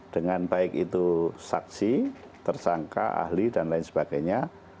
dengan baik itu saksi tersangka ahli dan lain sebagainya